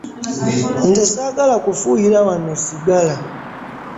Nze ssaagala kufuuyira wano sigala.